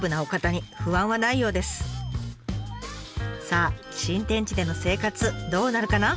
さあ新天地での生活どうなるかな？